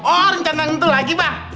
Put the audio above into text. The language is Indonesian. oh rencana itu lagi pak